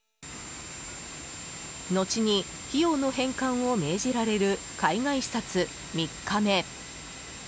後に費用の返還を命じられる海外視察３日目。